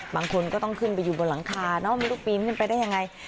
บางคนก็ต้องขึ้นไปอยู่บนหลังคาเนอะไม่รู้ปีนขึ้นไปได้ยังไง